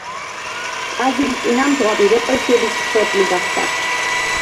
ტაძრის წინამძღვარი რეპრესიების მსხვერპლი გახდა.